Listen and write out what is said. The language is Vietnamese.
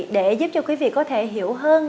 để giúp cho quý vị có thể hiểu hơn